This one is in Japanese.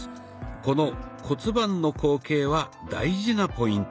この骨盤の後傾は大事なポイント。